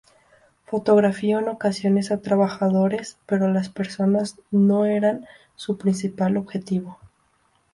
Fotografió en ocasiones a trabajadores pero las personas no eran su principal objetivo.